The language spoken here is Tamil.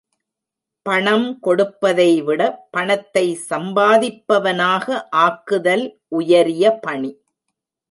பணம் கொடுப்பதைவிட, பணத்தை சம்பாதிப்பவனாக ஆக்குதல் உயரிய பணி.